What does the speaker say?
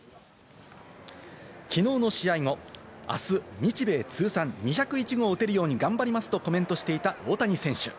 きのうの試合後、あす、日米通算２０１号を打てるように頑張りますとコメントしていた大谷選手。